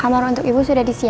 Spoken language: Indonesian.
ada tukang urine disini